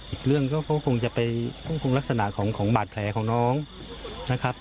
อีกเรื่องก็คงจะไปฮ่องคงลักษณะของบาดแผลของน้องนะครับ